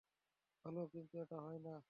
ভালো, কিন্তু এটা হয় না।